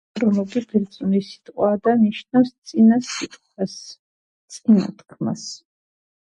ხშირ შემთხვევაში თითქმის მთლიანად იფარება მდინარის მიმდებარე ტერიტორია, დასახლებული პუნქტები.